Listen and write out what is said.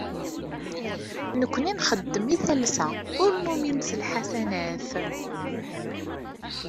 Nekni nxeddem i talsa, ur numin s lḥasanat.